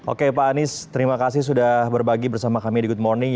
oke pak anies terima kasih sudah berbagi bersama kami di good morning